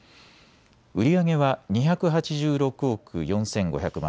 売り上げは２８６億４５００万